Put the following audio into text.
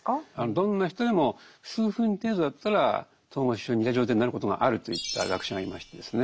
どんな人でも数分程度だったら統合失調症に似た状態になることがあると言った学者がいましてですね